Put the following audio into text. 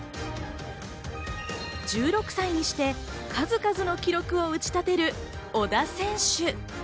１６歳にして数々の記録を打ち立てる小田選手。